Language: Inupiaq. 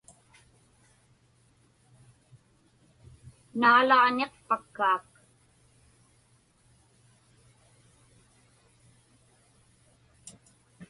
Naalaġniqpakkaak.